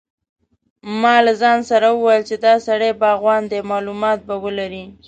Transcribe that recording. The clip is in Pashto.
ما له ځان سره وویل چې دا سړی باغوان دی معلومات به ولري.